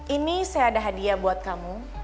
ini saya ada hadiah buat kamu